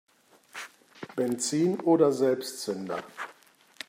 Benzin oder Selbstzünder?